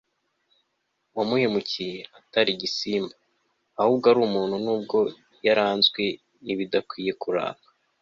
uwamuhemukiye atari igisimba, ahubwo ari umuntu n'ubwo yaranzwe n'ibidakwiye kuranga